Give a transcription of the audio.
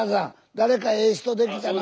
誰かええ人できたな？